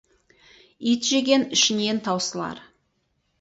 Ит жеген ішінен таусылар.